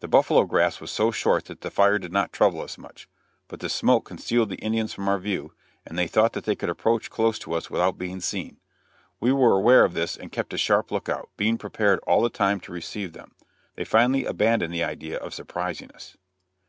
The buffalo grass was so short that the fire did not trouble us much, but the smoke concealed the Indians from our view, and they thought that they could approach close to us without being seen. We were aware of this, and kept a sharp look out, being prepared all the time to receive them. They finally abandoned the idea of surprising us.